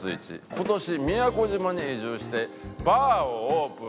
今年宮古島に移住してバーをオープン。